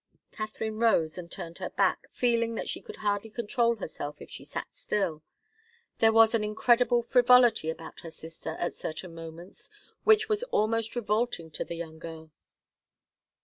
Katharine rose and turned her back, feeling that she could hardly control herself if she sat still. There was an incredible frivolity about her sister at certain moments which was almost revolting to the young girl.